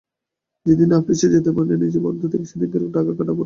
যেদিন আপিসে যেতে পারে না, নিজের বরাদ্দ থেকে সেদিনকার টাকা কাটা পড়ে।